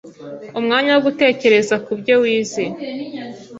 umwanya wo gutekereza ku byo wize